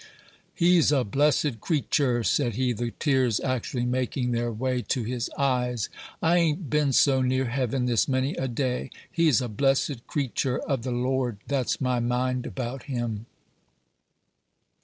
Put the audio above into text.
"He's a blessed cre'tur!" said he, the tears actually making their way to his eyes; "I hain't been so near heaven this many a day. He's a blessed cre'tur of the Lord; that's my mind about him!"